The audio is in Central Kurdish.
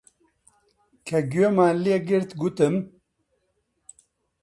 کە گوێمان لێ گرت گوتم: